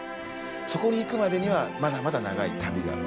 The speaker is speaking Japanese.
そこにいくまでにはまだまだ長い旅がある。